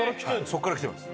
そこからきてます。